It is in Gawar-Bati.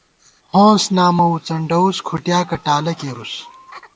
ہونس نامہ وُڅنڈَوُس کھُٹیاکہ ٹالہ کېرُوس